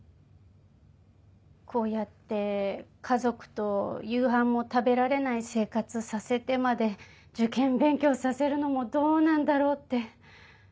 こうやって家族と夕飯も食べられない生活させてまで受験勉強させるのもどうなんだろうって。